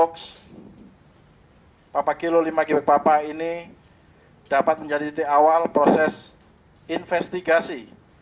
black box papa kilo lima gb papa ini dapat menjadi titik awal proses investigasi